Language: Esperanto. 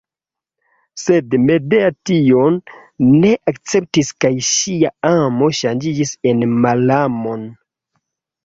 Sed Medea tion ne akceptis kaj ŝia amo ŝanĝiĝis en malamon.